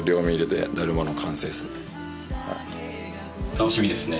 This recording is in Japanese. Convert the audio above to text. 楽しみですね。